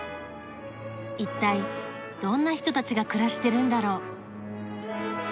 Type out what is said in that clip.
一体どんな人たちが暮らしてるんだろう？